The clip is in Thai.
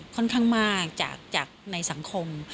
ค่อนข้างมากจากในสังคม